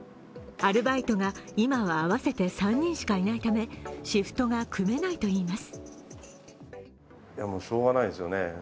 アルバイトが、今は合わせて３人しかいないためシフトが組めないといいます。